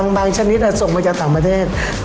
เข้ามันกินไก่ทอดยังไงนะ